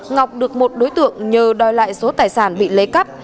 ngọc được một đối tượng nhờ đòi lại số tài sản bị lấy cắp